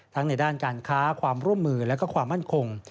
ในด้านการค้าความร่วมมือและความมั่นคง